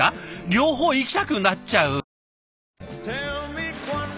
両方いきたくなっちゃうねえ。